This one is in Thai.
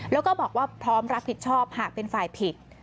แล้วก็บอกว่าพร้อมรับผิดชอบหากเป็นฝ่ายผิด